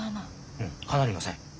うんかなりの線。